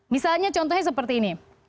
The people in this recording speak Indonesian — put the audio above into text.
misalnya contohnya seperti ini